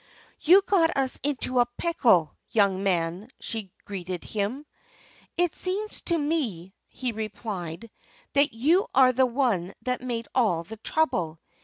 "You got us into a pickle, young man!" she greeted him. "It seems to me," he replied, "that you are the one that made all the trouble.